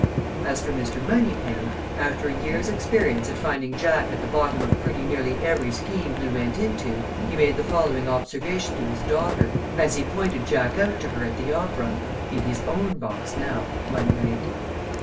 As for Mr. Moneypenny, after a year's experience at finding Jack at the bottom of pretty nearly every scheme he went into, he made the following observation to his daughter, as he pointed Jack out to her at the opera in his own box now one night.